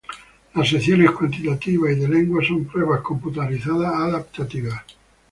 Las secciones cuantitativa y de lengua son pruebas computarizadas adaptativas.